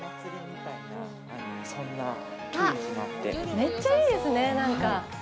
めっちゃいいですね、何か。